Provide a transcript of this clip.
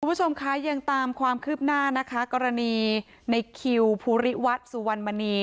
คุณผู้ชมคะยังตามความคืบหน้านะคะกรณีในคิวภูริวัฒน์สุวรรณมณี